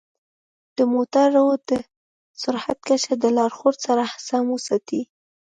د موټرو د سرعت کچه د لارښود سره سم وساتئ.